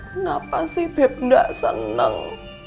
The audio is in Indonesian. kenapa sih beb gak seneng